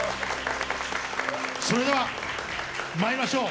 それでは参りましょう。